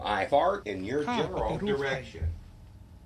'ค่าปฎิรูปไทย'